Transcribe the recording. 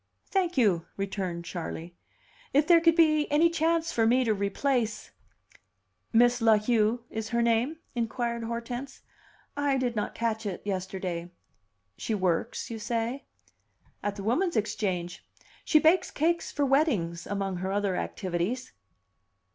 "Thank you," returned Charley. "If there could be any chance for me to replace " "Miss La Heu is her name?" inquired Hortense. "I did not catch it yesterday. She works, you say?" "At the Woman's Exchange. She bakes cakes for weddings among her other activities."